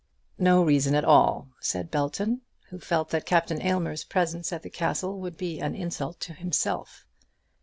"No reason at all," said Belton, who felt that Captain Aylmer's presence at the Castle would be an insult to himself.